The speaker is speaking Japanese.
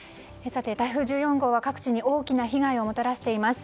さて、台風１４号は各地に大きな被害をもたらしています。